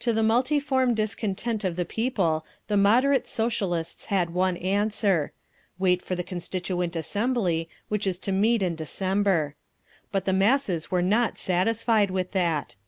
To the multiform discontent of the people the "moderate" Socialists had one answer: Wait for the Constituent Assembly, which is to meet in December. But the masses were not satisfied with that.